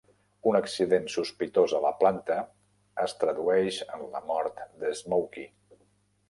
Un accident sospitós a la planta es tradueix en la mort de Smokey.